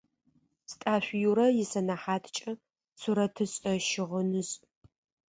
Стӏашъу Юрэ исэнэхьаткӏэ сурэтышӏэ-щыгъынышӏ.